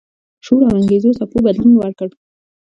شعور او انګیزو څپو بدلون ورکړ.